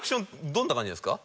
どんな感じなんですか？